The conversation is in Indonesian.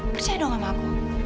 percaya dong sama aku